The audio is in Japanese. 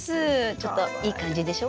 ちょっといい感じでしょ？